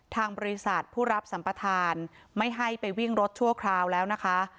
ทางบริษัทผู้รับสัมปทานไม่ให้ไปวิ่งรถชั่วคราวแล้วนะคะ